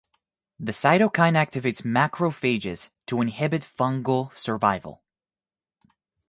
The cytokine activates macrophages to inhibit fungal survival.